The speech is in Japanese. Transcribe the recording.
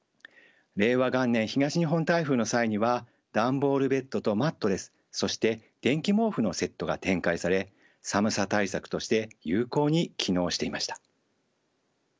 令和元年東日本台風の際には段ボールベッドとマットレスそして電気毛布のセットが展開され寒さ対策として有効に機能していました。